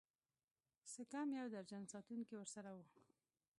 څه کم يو درجن ساتونکي ورسره وو.